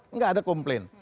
tidak ada komplain